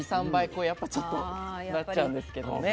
こうやっぱちょっとなっちゃうんですけどね。